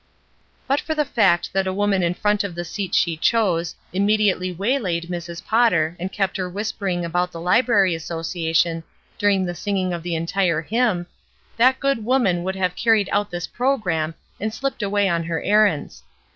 But for the fact that a woman in front of the seat she chose, immediately waylaid Mrs. THE "NEST EGG" 373 Potter and kept her whispering about the Library Association during the singing of the entire hymn, that good woman would have carried out this programme and slipped away on her errands.